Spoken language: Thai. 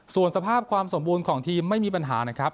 ส่วนสภาพความสมบูรณ์ของทีมไม่มีปัญหานะครับ